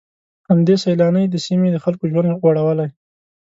همدې سيلانۍ د سيمې د خلکو ژوند غوړولی.